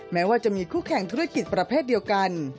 แม้ว่าจะมีคู่แข่งธุรกิจประเภทเดียวกัน